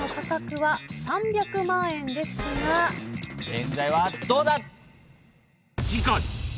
現在はどうだ！？